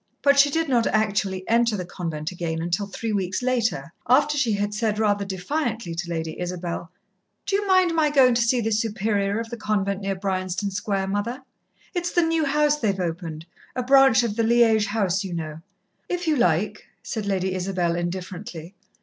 But she did not actually enter the convent again until three weeks later, after she had said rather defiantly to Lady Isabel: "Do you mind my going to see the Superior of the convent near Bryanston Square, mother? It's the new house they've opened a branch of the Liège house, you know." "If you like," said Lady Isabel indifferently.